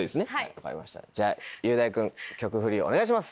分かりましたじゃあ雄大君曲フリお願いします。